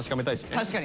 確かに。